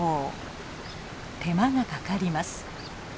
手間がかかります。